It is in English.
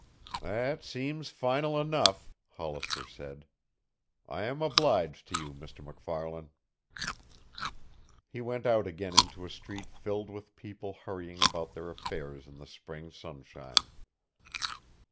"That seems final enough," Hollister said. "I am obliged to you, Mr. MacFarlan." He went out again into a street filled with people hurrying about their affairs in the spring sunshine.